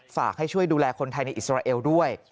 ฝากให้ช่วยดูแลคนไทยในอิสราเอลด้วย